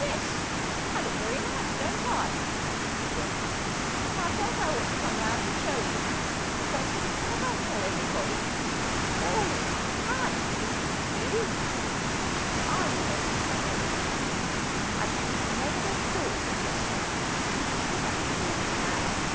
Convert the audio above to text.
"Yes, I look very nice, don't I?" she went on; "and I felt I ought to come round and show you, because, as I tell everybody, it's all entirely due to you, ma'am, that I'm so stylish. I shouldn't never have thought to dress like this, if you hadn't taught me how.